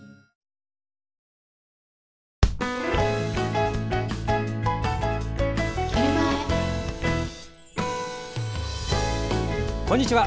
こんにちは。